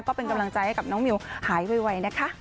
ก็เป็นกำลังใจให้กับน้องมิวหายไวนะคะ